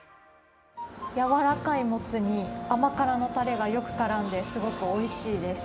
やわらかいモツに、甘辛のたれがよくからんで、すごくおいしいです。